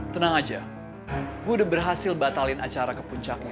tenang aja gue udah berhasil batalin acara kepuncaknya